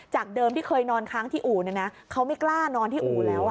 เดิมที่เคยนอนค้างที่อู่เขาไม่กล้านอนที่อู่แล้ว